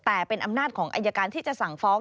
แต่เป็นอำนาจของอายการที่จะสั่งฟ้อง